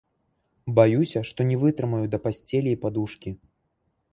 Баюся, што не вытрымаю да пасцелі і падушкі.